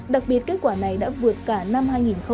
đặc biệt kết quả này đã vượt cả năm hai nghìn hai mươi một